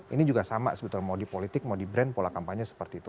ini juga sama sebetulnya mau di politik mau di brand pola kampanye seperti itu